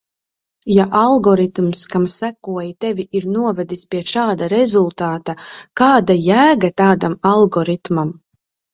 Ja algoritms, kam sekoji, tevi ir novedis pie šāda rezultāta, kāda jēga tādam algoritmam?